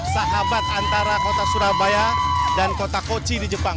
sahabat antara kota surabaya dan kota kochi di jepang